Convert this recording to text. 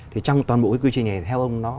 thì trong toàn bộ cái quy trình này theo ông nó